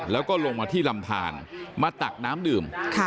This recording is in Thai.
แล้วก็ลงมาที่ลำทานมาตักน้ำดื่ม